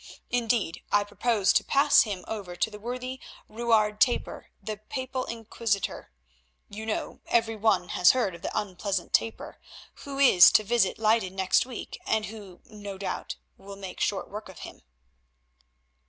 Indeed, I propose to pass him over to the worthy Ruard Tapper, the Papal Inquisitor, you know—every one has heard of the unpleasant Tapper—who is to visit Leyden next week, and who, no doubt, will make short work of him."